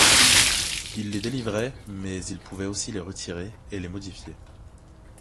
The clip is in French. Il les délivrait mais il pouvait aussi les retirer et les modifier.